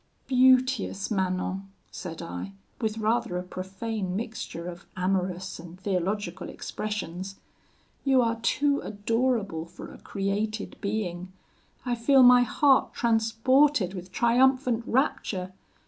'Beauteous Manon,' said I, with rather a profane mixture of amorous and theological expressions, 'you are too adorable for a created being. I feel my heart transported with triumphant rapture.